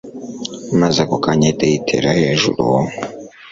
maze ako kanya ahita yitera hejuru